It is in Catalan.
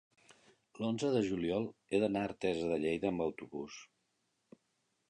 l'onze de juliol he d'anar a Artesa de Lleida amb autobús.